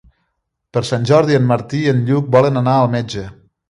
Per Sant Jordi en Martí i en Lluc volen anar al metge.